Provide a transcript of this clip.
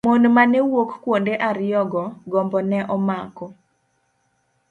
Mon mane wuok kuonde ariyogo, gombo ne omako.